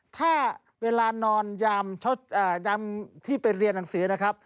ถ้าเวลานอนยามที่ไปเรียนหนังสือนะครับ